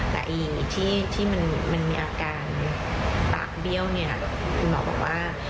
แต่ที่มันมีอาการปากเบี้ยวเนี่ยคุณหมอบอกว่า